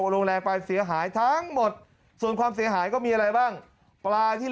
ลงแรงไปเสียหายทั้งหมดส่วนความเสียหายก็มีอะไรบ้างปลาที่